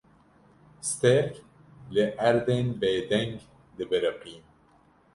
Stêrk li ser erdên bêdeng dibiriqîn.